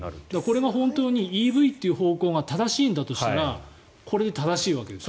これが本当にＥＶという方向が正しいんだとしたらこれが正しいわけです。